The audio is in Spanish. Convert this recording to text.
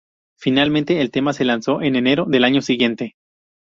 Finalmente, el tema se lanzó en enero del año siguiente.